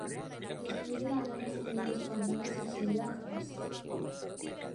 Després de la guerra civil espanyola s'exilià a França.